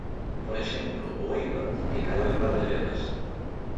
Por exemplo, o Éibar, que caeu en Valdebebas.